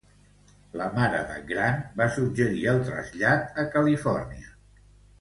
La mare de Grant va suggerir el trasllat a Califòrnia.